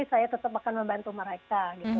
saya tetap akan membantu mereka gitu